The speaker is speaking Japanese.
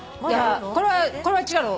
これは違うの。